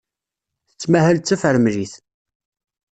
Tettmahal d tafremlit.